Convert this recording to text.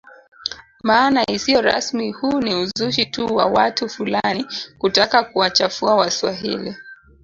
Maana isiyo rasmi huu ni uzushi tu wa watu fulani kutaka kuwachafua waswahili